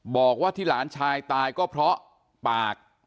บอกว่าที่หลานชายตายก็เพราะปาก